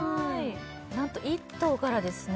なんと１頭からですね